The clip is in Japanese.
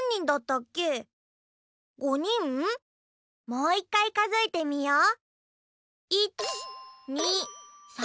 もう１かいかぞえてみよう。